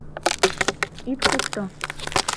Ит кукто.